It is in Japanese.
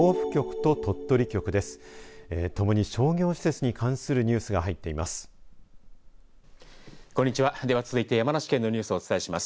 ともに商業施設に関するニュースが入っています。